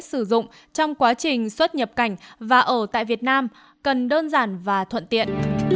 sử dụng trong quá trình xuất nhập cảnh và ở tại việt nam cần đơn giản và thuận tiện